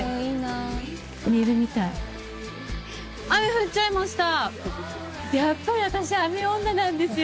雨降っちゃいました！